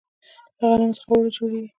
له غنمو څخه اوړه جوړیږي.